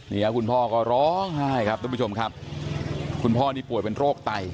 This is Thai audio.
คุณพ่อก็ร้องไห้ครับทุกผู้ชมครับคุณพ่อนี่ป่วยเป็นโรคไต